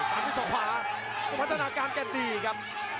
แต่ก็สะกวาขอพัฒนาการกัดดีครับ